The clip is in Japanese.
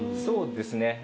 そうですね